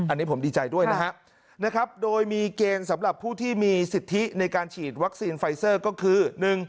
อันนี้ผมดีใจด้วยนะครับโดยมีเกณฑ์สำหรับผู้ที่มีสิทธิในการฉีดวัคซีนไฟเซอร์ก็คือ